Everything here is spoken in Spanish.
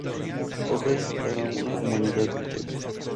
Hojas para una humanidad íntegra.